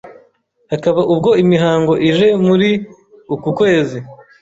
Hakaba ubwo imihango ije muri uku kwezi